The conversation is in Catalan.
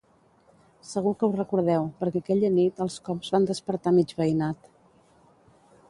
Segur que ho recordeu, perquè aquella nit els cops van despertar mig veïnat.